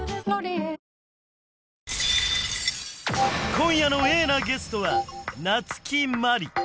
今夜のＡなゲストは夏木マリ